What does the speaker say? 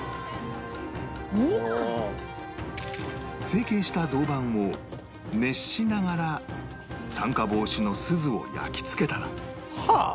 成形した銅板を熱しながら酸化防止のスズを焼き付けたらはあ！